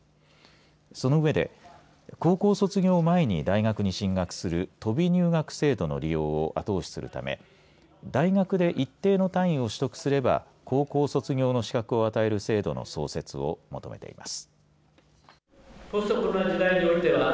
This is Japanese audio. その上で高校卒業前に大学に進学する飛び入学制度の利用を後押しするため大学で一定の単位を取得すれば高校卒業の資格を与える制度の創設を求めています。